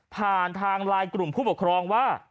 ผ่านทางไลน์กลุ่มผู้ปกครองว่า